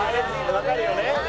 わかるよね？